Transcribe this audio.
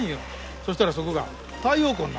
そしたらそこが太陽光になったんや。